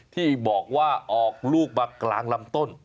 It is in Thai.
ที่บอกว่าออกลูกมากลางลำต้น